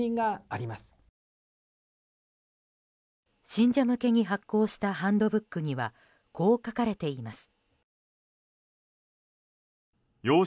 信者向けに発行したハンドブックにはこう書かれています。